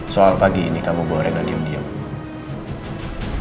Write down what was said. soal pagi ini kamu bawa rena diam diam